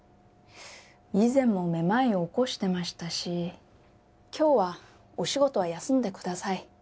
以前もめまいを起こしてましたし今日はお仕事は休んでください